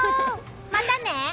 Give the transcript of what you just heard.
またね。